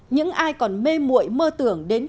những ai còn mê mụi mơ tưởng đến đây